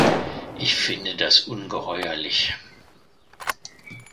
Ich finde das ungeheuerlich.